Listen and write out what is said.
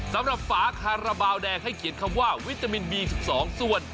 สำหรับฝาคาราบาลแดงให้เขียนคำว่าวิตามินบี๑๒ส่วน